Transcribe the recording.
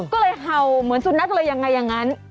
ก็เลยเห่าเหมือนสุนัขเลยยังไงอย่างนั้น